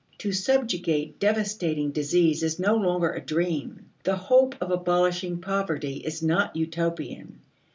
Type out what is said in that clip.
To subjugate devastating disease is no longer a dream; the hope of abolishing poverty is not utopian.